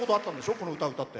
この歌歌って。